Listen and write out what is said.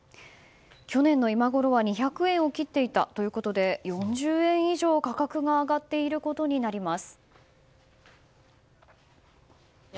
去年の今ごろは２００円を切っていたということで４０円以上、価格が上がっていることになります。